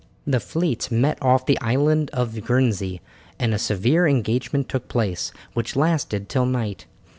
The fleets met off the island of Guernsey, and a severe engagement took place, which lasted till night.